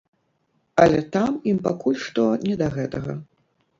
Але там ім пакуль што не да гэтага.